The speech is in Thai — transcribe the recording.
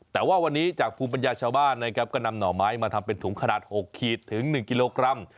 แต่ว่าวันนี้จากภูมิปัญญาชาวบ้านนะครับก็นำหน่อไม้มาทำเป็นถุงขนาด๖ขีดถึง๑กิโลกรัม